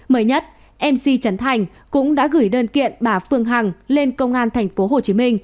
mới nhất mc chấn thành cũng đã gửi đơn kiện bà phương hằng lên công an tp hcm